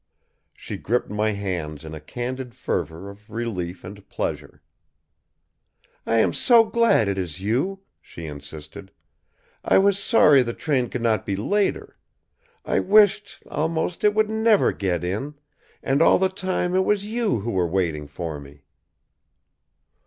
She gripped my hands in a candid fervor of relief and pleasure. "I am so glad it is you," she insisted. "I was sorry the train could not be later; I wished, almost, it would never get in and all the time it was you who were waiting for me!"